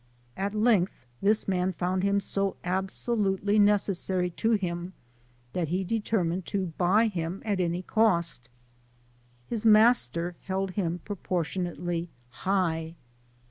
At length this man found him so absolutely necessary to him, that he determined to buy him at any cost. His master held him proportionably high.